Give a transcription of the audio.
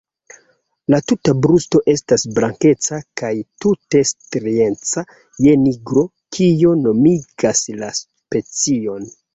La tuta brusto estas blankeca kaj tute strieca je nigro, kio nomigas la specion.